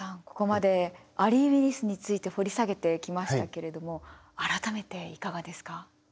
ここまでアリー・ウィリスについて掘り下げてきましたけれども改めていかがですか？